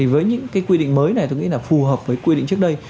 với những quy định mới này tôi nghĩ là phù hợp với quy định trước đây